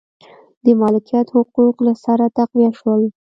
د مالکیت حقوق له سره تقویه شول.